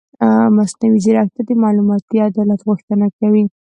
مصنوعي ځیرکتیا د معلوماتي عدالت غوښتنه کوي.